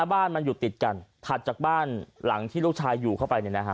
บ้านมันอยู่ติดกันถัดจากบ้านหลังที่ลูกชายอยู่เข้าไปเนี่ยนะฮะ